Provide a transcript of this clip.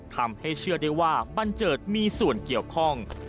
ทำให้เชื่อได้ว่าบันเจิดมีส่วนเกี่ยวข้อง